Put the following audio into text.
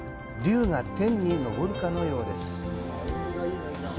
龍が天に昇るかのようです。